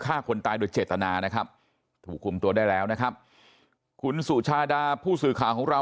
ฆ่าคนตายโดยเจตนานะครับถูกคุมตัวได้แล้วนะครับคุณสุชาดาผู้สื่อข่าวของเรา